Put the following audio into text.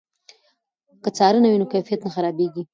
که څارنه وي نو کیفیت نه خرابېږي.